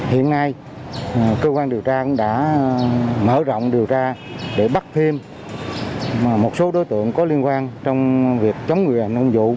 hiện nay cơ quan điều tra cũng đã mở rộng điều tra để bắt thêm một số đối tượng có liên quan trong việc chống người công vụ